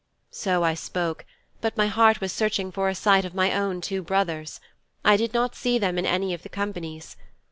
So I spoke, but my heart was searching for a sight of my own two brothers. I did not see them in any of the companies.